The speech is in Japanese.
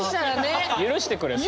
許してくれそう。